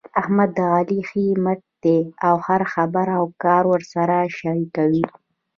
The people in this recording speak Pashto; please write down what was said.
احمد د علي ښی مټ دی. هره خبره او کار ورسره شریکوي.